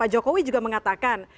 pak jokowi juga mengatakan